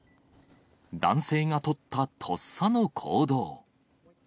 男性が取ったとっさの行動。